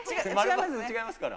違いますね。